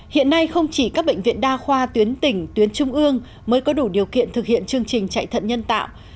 hiện nay không chỉ các bệnh viện đa khoa tuyến tỉnh tuyến trung ương mới có đủ điều kiện thực hiện chương trình chạy thận nhân tạo